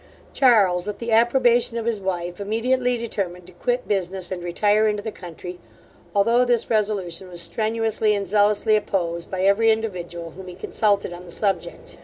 Charles, with the approbation of his wife, immediately determined to quit business, and retire into the country, although this resolution was strenuously and zealously opposed by every individual, whom he consulted on the subject.